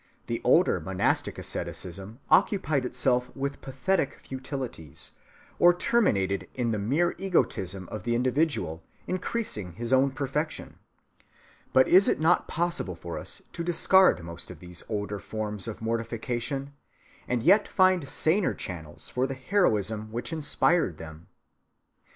The older monastic asceticism occupied itself with pathetic futilities, or terminated in the mere egotism of the individual, increasing his own perfection.(217) But is it not possible for us to discard most of these older forms of mortification, and yet find saner channels for the heroism which inspired them?